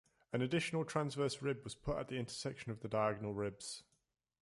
An additional transverse rib was put at the intersection of the diagonal ribs.